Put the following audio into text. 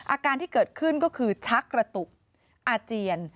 อาการที่เกิดขึ้นก็คือชักกระตุกอาเจียน